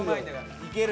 いける！